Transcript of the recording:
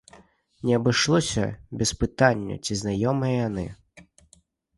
Не абышлося без пытання, ці знаёмыя яны.